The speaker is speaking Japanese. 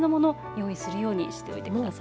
用意するようにしてください。